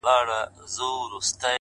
• نه مو غوښي پخوي څوک په ځولیو ,